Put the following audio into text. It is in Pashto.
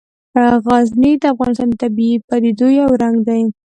غزني د افغانستان د طبیعي پدیدو یو رنګ دی.